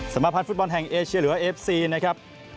สมาภัณฑ์ฟุตบอลแห่งเอเชียเหลือเอฟซีนะครับ